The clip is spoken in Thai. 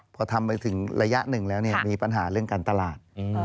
พอทำไปถึงระยะหนึ่งแล้วมีปัญหาเรื่องการตลาด